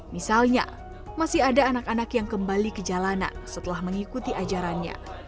misalnya masih ada anak anak yang kembali ke jalanan setelah mengikuti ajarannya